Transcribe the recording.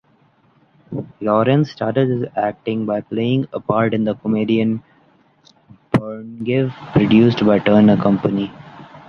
Laurance started his acting by playing a part in the comedian “Birngev” produced by Turner Company.